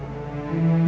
dia terlihat seperti